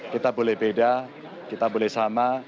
kita boleh beda kita boleh sama